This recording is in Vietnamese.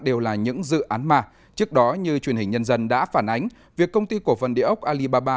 đều là những dự án ma trước đó như truyền hình nhân dân đã phản ánh việc công ty cổ phần địa ốc alibaba